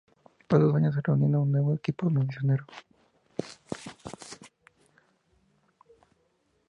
Pasó dos años reuniendo un nuevo equipo misionero.